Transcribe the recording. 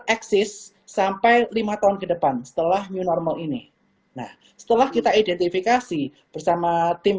eksis sampai lima tahun ke depan setelah new normal ini nah setelah kita identifikasi bersama tim